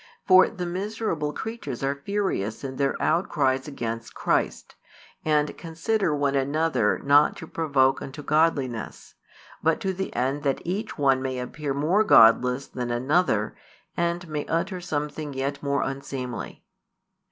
For the miserable creatures are furious in their outcries against Christ, and consider one another not to provoke unto godliness, but to the end that each one may appear more godless than another, and may utter something yet more unseemly.